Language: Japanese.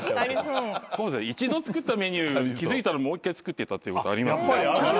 一度作ったメニュー気付いたらもう１回作ってたことありますね。